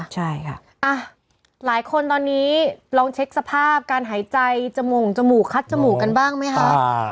ใช่ค่ะหลายคนตอนนี้ลองเช็คสภาพการหายใจจมู่งจมูกคัดจมูกกันบ้างไหมคะ